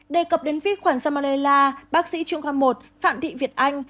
đề cập đến vi khuẩn salmonella bác sĩ trưởng khoa một phạm thị việt anh